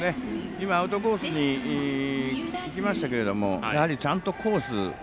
今、アウトコースにいきましたがやはりちゃんとコース